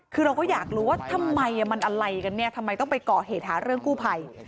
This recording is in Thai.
คือเราก็อยากรู้ว่าทำไมมันอะไรกันเนี่ยทำไมต้องไปก่อเหตุหาเรื่องกู้ภัย